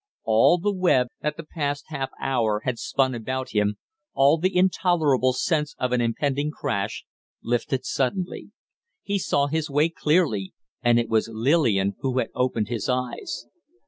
All the web that the past half hour had spun about him, all the intolerable sense of an impending crash, lifted suddenly. He saw his way clearly and it was Lillian who had opened his eyes.